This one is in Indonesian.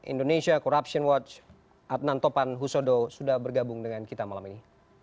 indonesia corruption watch adnan topan husodo sudah bergabung dengan kita malam ini